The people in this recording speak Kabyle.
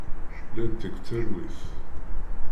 Llant deg talwit.